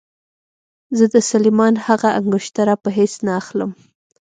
زه د سلیمان هغه انګشتره په هېڅ نه اخلم.